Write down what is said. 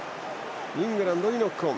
イングランドにノックオン。